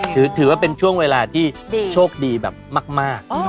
ถือว่าเป็นช่วงเวลาที่โชคดีแบบมาก